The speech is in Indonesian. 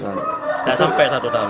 sudah sampai satu tahun